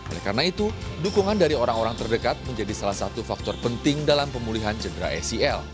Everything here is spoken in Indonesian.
oleh karena itu dukungan dari orang orang terdekat menjadi salah satu faktor penting dalam pemulihan cedera acl